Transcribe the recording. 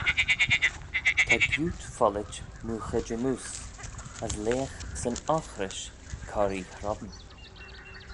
Ta gioot follit mooghey jymmoose, as leagh 'syn oghrish corree hrome.